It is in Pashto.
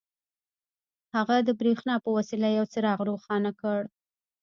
هغه د برېښنا په وسيله يو څراغ روښانه کړ.